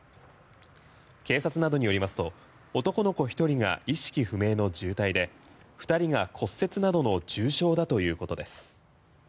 警察などによりますと男の子１人が意識不明の重体で２人が骨折などの重傷だということです。